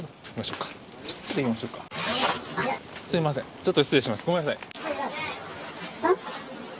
ちょっと失礼しますごめんなさい。